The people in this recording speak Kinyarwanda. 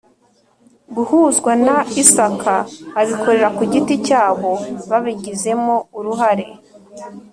guhuzwa na isaka abikorera ku giti cyabo babigizemo uruhare